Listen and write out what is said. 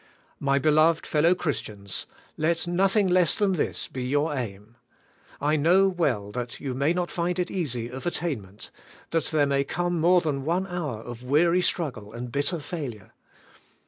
My beloved fellow Christians, let nothing less than this be your aim. I know well that you may not find it easy of attainment; that there may come more than one hour of weary struggle and bitter failure.